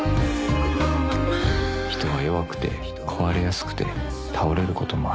「人は弱くて壊れやすくて倒れることもある」